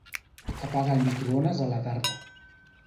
Apaga el microones a la tarda.